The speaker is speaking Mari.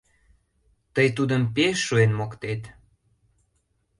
— Тый тудым пеш шуэн моктет.